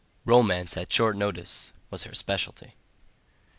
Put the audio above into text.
Romance at short notice was her speciality.